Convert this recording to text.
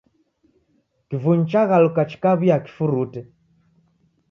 Kivunyu chaghaluka chikaw'uya kifurute